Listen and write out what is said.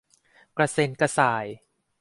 กระเส็นกระสาย